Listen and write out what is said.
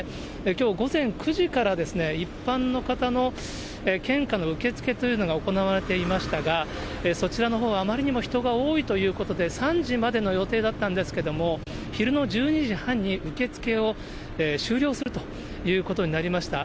きょう午前９時から、一般の方の献花の受け付けというのが行われていましたが、そちらのほう、あまりにも人が多いということで、３時までの予定だったんですけども、昼の１２時半に受け付けを終了するということになりました。